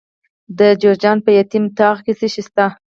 د جوزجان په یتیم تاغ کې څه شی شته؟